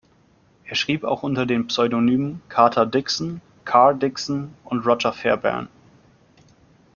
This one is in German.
Er schrieb auch unter den Pseudonymen "Carter Dickson", "Carr Dickson" und "Roger Fairbairn".